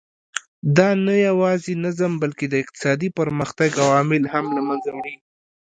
دا نه یوازې نظم بلکې د اقتصادي پرمختګ عوامل هم له منځه وړي.